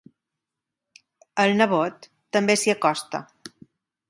El nebot també s'hi acosta.